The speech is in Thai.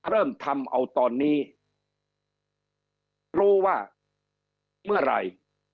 เริ่มทำเอาตอนนี้รู้ว่าเมื่อไหร่